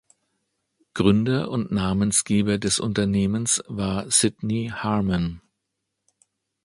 Gründer und Namensgeber des Unternehmens war Sidney Harman.